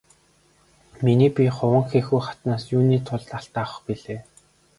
Миний бие Хуванхэхү хатнаас юуны тулд алт авах билээ?